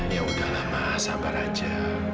yaudah ma sabar aja